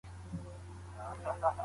تراویح بې جوماته نه کېږي.